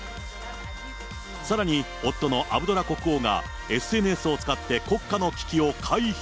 さらに、夫のアブドラ国王が、ＳＮＳを使って国家の危機を回避？